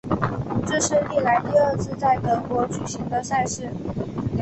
这是历来第二次在德国举行赛事。